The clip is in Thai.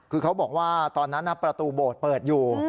คือเขาบอกว่าตอนนั้นประตูโบสถ์เปิดอยู่